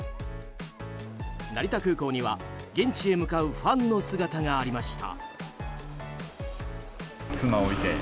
成田空港には現地へ向かうファンの姿がありました。